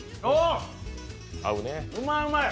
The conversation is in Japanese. うまいうまい！